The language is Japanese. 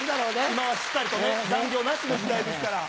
今はしっかりとね残業なしの時代ですから。